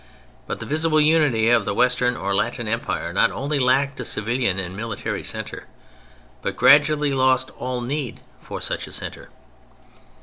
But the visible unity of the Western or Latin Empire not only lacked a civilian and military centre, but gradually lost all need for such a centre.